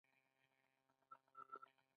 هغه هره ورځ زرګونه افغانۍ خپلو بچیانو ته ورکوي